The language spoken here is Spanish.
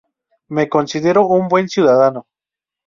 Me considero un buen ciudadano.